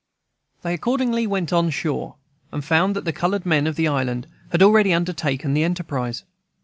They accordingly went on shore, and found that the colored men of the island had already undertaken the enterprise.